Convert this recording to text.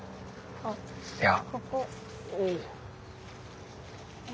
いや。